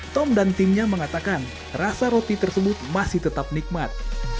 tom dan timnya mengatakan rasa roti tersebut masih tetap nikmat